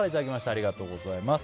ありがとうございます。